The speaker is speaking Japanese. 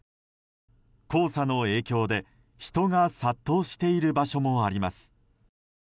黄砂の影響で人が殺到している場所もあります。